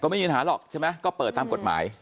ไม่มีปัญหาหรอกใช่ไหมก็เปิดตามกฎหมาย